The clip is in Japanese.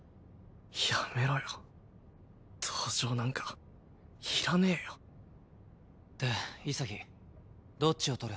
やめろよ同情なんかいらねえよで潔どっちを取る？